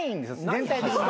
全体的に。